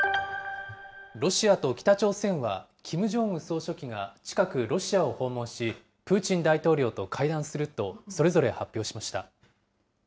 ロシアと北朝鮮は、キム・ジョンウン総書記が近く、ロシアを訪問し、プーチン大統領と会談するとそれぞれ発表しました。